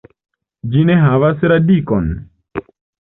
Ĝi ne havas radikon.